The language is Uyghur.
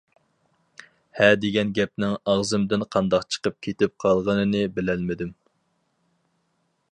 ھە دېگەن گەپنىڭ ئاغزىمدىن قانداق چىقىپ كېتىپ قالغىنىنى بىلەلمىدىم.